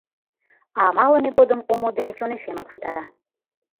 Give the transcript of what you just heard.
А малыме годым омо дене чонешемак витара.